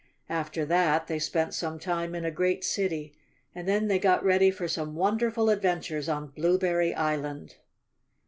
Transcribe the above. After that they spent some time in a great city and then they got ready for some wonderful adventures on Blueberry Island.